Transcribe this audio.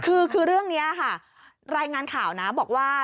คือเรื่องนี้ค่ะรายงานข่าวนะบอกว่า